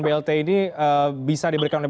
blt ini bisa diberikan oleh